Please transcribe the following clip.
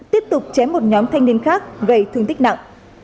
tiếp tục chém một nhóm thanh niên khác gây thương tích nặng